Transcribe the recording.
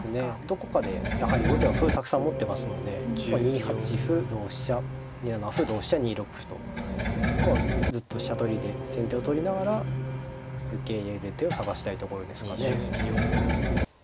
どこかでやはり後手は歩たくさん持ってますので２八歩同飛車２七歩同飛車２六歩ともうずっと飛車取りで先手を取りながら受ける手を探したいところですかね。